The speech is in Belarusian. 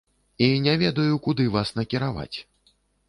І не ведаю, куды вас накіраваць.